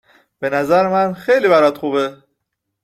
بنظر من خیلی برات خوبه